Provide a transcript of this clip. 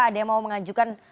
ada yang mau mengajukan